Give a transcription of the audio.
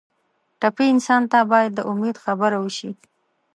ټپي انسان ته باید د امید خبره وشي.